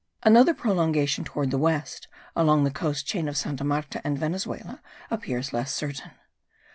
Another prolongation toward the west, along the coast chain of Santa Marta and Venezuela, appears less certain.